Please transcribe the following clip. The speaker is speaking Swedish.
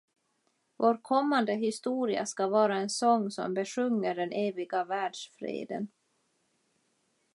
Vår kommande historia skall vara en sång som besjunger den eviga världsfreden.